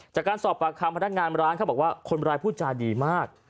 จากการสอบปากคำพนักงานร้านเขาบอกว่าคนร้ายพูดจาดีมาก